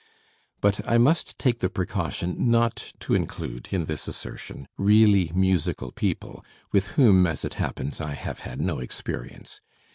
But I must take the precaution not to include in this assertion really musical people, with whom, as it happens, I have had no experience.